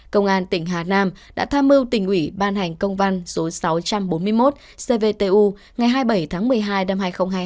công an tỉnh hà nam đã tham mưu tỉnh ủy ban hành công văn số sáu trăm bốn mươi một cvtu ngày hai mươi bảy tháng một mươi hai năm hai nghìn hai mươi hai